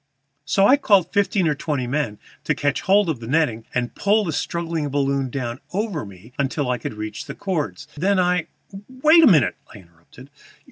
So I called fifteen or twenty men to catch hold of the netting and pull the struggling balloon down over me until I could reach the cords. Then I " "Wait a minute," I interrupted.